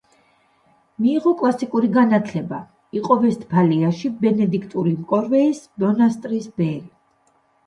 მიიღო კლასიკური განათლება, იყო ვესტფალიაში ბენედიქტური კორვეის მონასტრის ბერი.